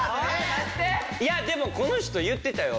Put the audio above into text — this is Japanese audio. いやでもこの人言ってたよ